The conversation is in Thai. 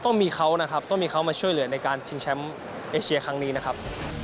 ต้องมีเขานะครับต้องมีเขามาช่วยเหลือในการชิงแชมป์เอเชียครั้งนี้นะครับ